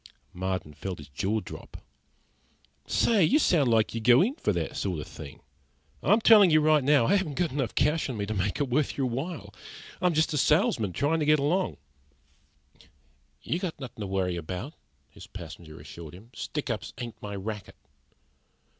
Marden felt his jaw drop. "Say, you sound, like you go in for that sort of thing! I'm telling you right now, I haven't enough cash on me to make it worth your while. I'm just a salesman, trying to get along." "You got nothin' to worry about," his passenger assured him. "Stick ups ain't my racket."